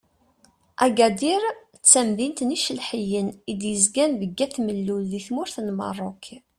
Agadir d tamdint n yicelḥiyen i d-yezgan deg At Mellul di tmurt n Merruk.